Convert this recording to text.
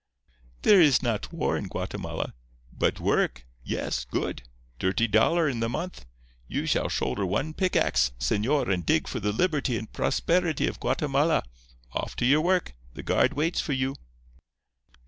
"'There is not war in Guatemala. But work? Yes. Good. T'irty dollar in the month. You shall shoulder one pickaxe, señor, and dig for the liberty and prosperity of Guatemala. Off to your work. The guard waits for you.